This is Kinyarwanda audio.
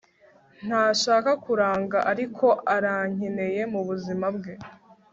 ntashaka kuranga ariko arankeneye mubuzima bwe